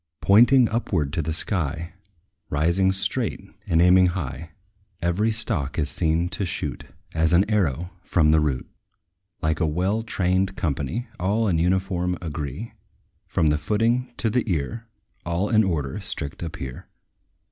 Pointing upward to the sky, Rising straight, and aiming high, Every stalk is seen to shoot As an arrow, from the root. Like a well trained company, All in uniform agree, From the footing to the ear; All in order strict appear.